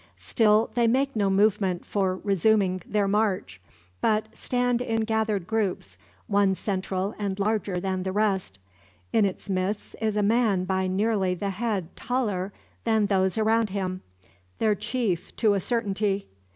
Still they make no movement for resuming their march, but stand in gathered groups, one central and larger than the rest. In its midst is a man by nearly the head taller than those around him: their chief to a certainty.